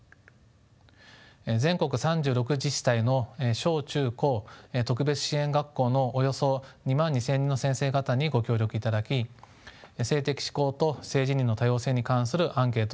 全国３６自治体の小中高特別支援学校のおよそ２万２，０００人の先生方にご協力いただき性的指向と性自認の多様性に関するアンケートを実施しました。